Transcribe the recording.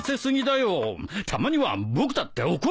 たまには僕だって怒るぞ！